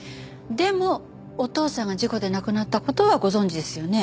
でもお父さんが事故で亡くなった事はご存じですよね？